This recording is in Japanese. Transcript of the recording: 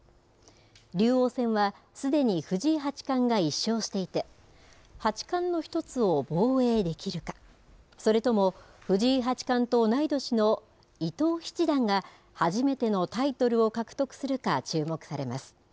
竜王戦は、すでに藤井八冠が１勝していて、八冠の一つを防衛できるか、それとも藤井八冠と同い年の伊藤七段が、初めてのタイトルを獲得するか注目されます。